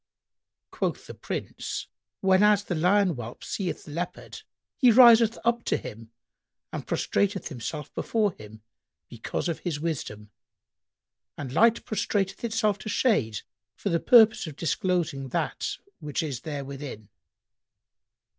Quoth the Prince, "Whenas the lion whelp seeth the leopard,[FN#99] he riseth up to him and prostrateth himself before him, because of his wisdom, and Light prostrateth itself to shade for the purpose of disclosing that which is therewithin."